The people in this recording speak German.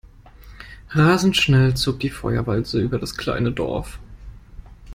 Rasend schnell zog die Feuerwalze über das kleine Dorf.